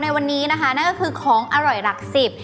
ในวันนี้นะคะนั่นก็คือของอร่อยหลักสิบ